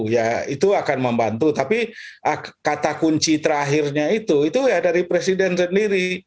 ya itu akan membantu tapi kata kunci terakhirnya itu itu ya dari presiden sendiri